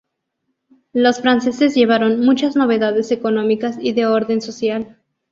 Los franceses llevaron muchas novedades económicas y de orden social.